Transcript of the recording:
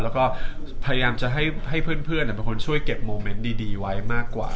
แล้วก็พยายามจะให้เพื่อนเป็นคนช่วยเก็บโมเมนต์ดีไว้มากกว่า